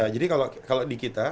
jadi kalau di kita